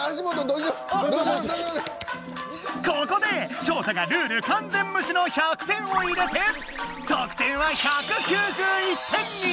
ここでショウタがルールかんぜんむしの１００点を入れてとく点は１９１点に！